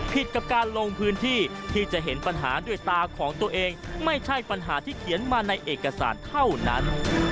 กับการลงพื้นที่ที่จะเห็นปัญหาด้วยตาของตัวเองไม่ใช่ปัญหาที่เขียนมาในเอกสารเท่านั้น